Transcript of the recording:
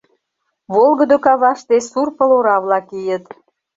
Волгыдо каваште сур пыл ора-влак ийыт.